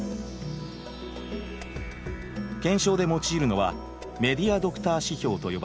検証で用いるのは「メディアドクター指標」と呼ばれる基準。